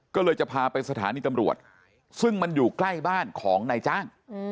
ก็เลยจะพาไปสถานีตำรวจซึ่งมันอยู่ใกล้บ้านของนายจ้าง